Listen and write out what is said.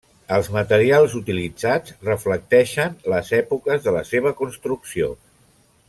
Els materials utilitzats reflecteixen les èpoques de la seva construcció.